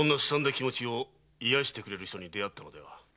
気持ちを癒してくれる人に出会ったのでは？